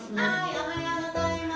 おはようございます。